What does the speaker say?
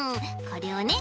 これをね